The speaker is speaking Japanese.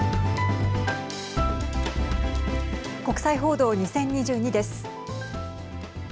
国際報道２０２２です。